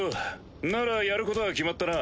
ならやることは決まったな。